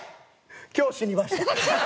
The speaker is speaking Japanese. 今日死にました。